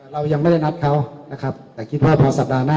เรายังไม่ได้นัดเขานะครับแต่คิดว่าพอสัปดาห์หน้า